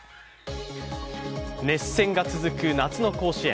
熱戦が続く夏の甲子園。